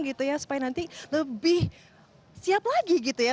jadi lebih siap lagi gitu ya